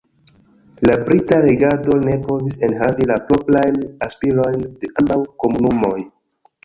La brita regado ne povis enhavi la proprajn aspirojn de ambaŭ komunumoj.